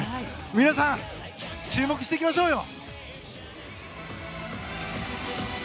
皆さん注目していきましょうよ！